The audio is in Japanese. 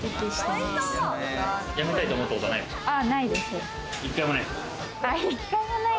やめたいと思ったことはない？